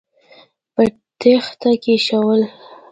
په تېښته کې شول.